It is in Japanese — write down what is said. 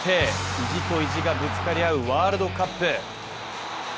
意地と意地がぶつかり合うワールドカップ。